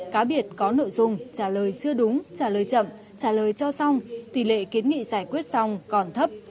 cá biệt có nội dung trả lời chưa đúng trả lời chậm trả lời cho xong tỷ lệ kiến nghị giải quyết xong còn thấp